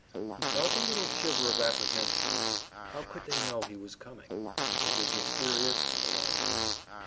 He felt a little shiver of apprehension. How could they know he was coming? It was mysterious and alarming.